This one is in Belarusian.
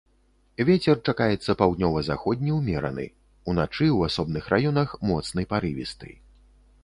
Вецер чакаецца паўднёва-заходні ўмераны, уначы ў асобных раёнах моцны парывісты.